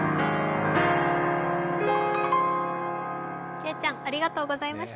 けいちゃん、ありがとうございました。